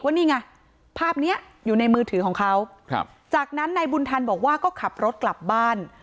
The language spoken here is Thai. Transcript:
นี่ไงภาพเนี้ยอยู่ในมือถือของเขาครับจากนั้นนายบุญธันบอกว่าก็ขับรถกลับบ้าน